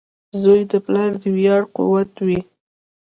• زوی د پلار د ویاړ قوت وي.